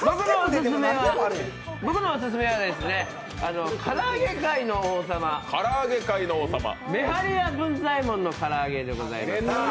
僕のオススメは、から揚げ界の王様、めはり屋文在ヱ門の唐揚げでございます。